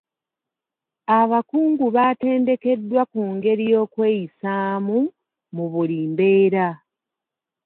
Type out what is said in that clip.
Abakungu baatendekeddwa ku ngeri y'okweyisaamu mu buli mbeera .